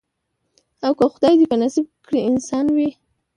او که خدای دي په نصیب کړی انسان وي